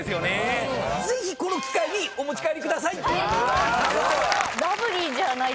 ぜひこの機会にお持ち帰りください。